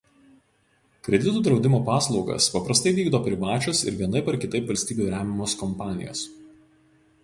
Kreditų draudimo paslaugas paprastai vykdo privačios ir vienaip ar kitaip valstybių remiamos kompanijos.